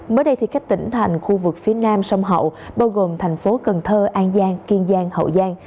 mới đây các tỉnh thành khu vực phía nam sông hậu bao gồm thành phố cần thơ an giang kiên giang hậu giang